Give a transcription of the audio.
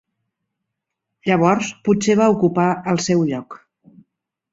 Llavors potser va ocupar el seu lloc.